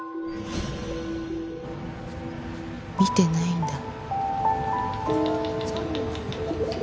見てないんだ